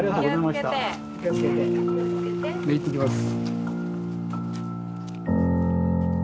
行ってきます。